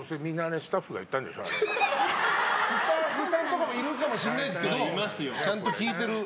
スタッフさんとかもいるかもしれないですけどちゃんと聞いてる。